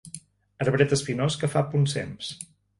Arbret espinós que fa poncems.